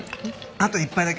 あと１杯だけ！